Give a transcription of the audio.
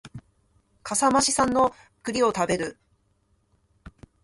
笠間市産の栗を食べる